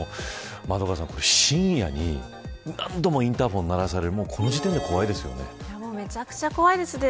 円香さん、深夜に何度もインターホンを鳴らされるめちゃくちゃ怖いですね。